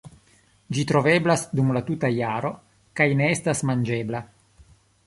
Ĝi troveblas dum la tuta jaro kaj ne estas manĝebla.